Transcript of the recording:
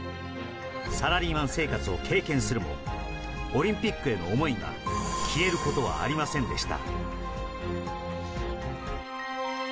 サラリーマン生活を経験するもオリンピックへの思いは消えることはありませんでした。